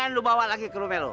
ini lo bawa lagi ke rumah lo